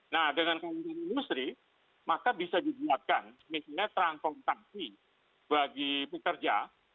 nah dengan kementerian industri maka bisa dibuatkan misalnya transformasi bagi pekerja